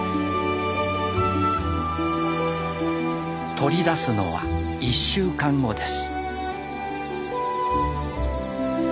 取り出すのは１週間後です。